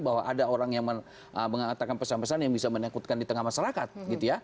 bahwa ada orang yang mengatakan pesan pesan yang bisa menakutkan di tengah masyarakat